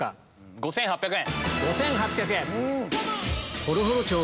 ５８００円。